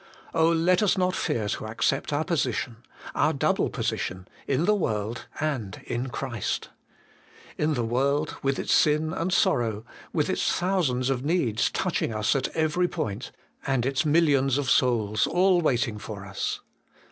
Oh, let us not fear to accept our position our double position ; in the world, and in Christ ! In the world, with its sin and sorrow, with its thousands of needs touching us at every point, and its millions of souls all waiting for us.